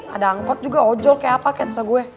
ada angkot juga ojol kayak apa kayak seteru gue